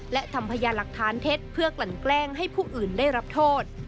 และทำพยานหลักฐานเท็จเพื่อกลั่นแกล้งให้ผู้อื่นได้รับโทษ